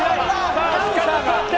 さあ、しっかり座って。